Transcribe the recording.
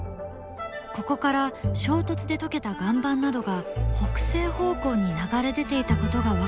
ここから衝突で溶けた岩盤などが北西方向に流れ出ていたことが分かったのだ。